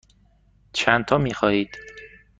چندتا می خواهید؟